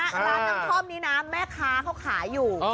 ร้านน้ำท่อมนี้นะแม่ค้าเขาขายอยู่